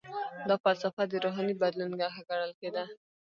دا فلسفه د روحاني بدلون نښه ګڼل کیده.